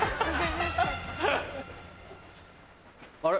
あれ？